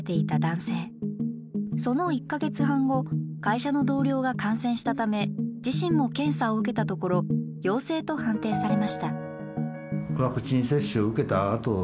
その１か月半後会社の同僚が感染したため自身も検査を受けたところ陽性と判定されました。